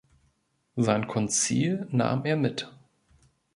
Sein Konzil nahm er mit.